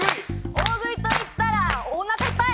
大食いといったら、おなかいっぱい。